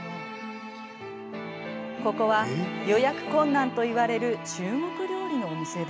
ここは予約困難といわれる中国料理のお店で。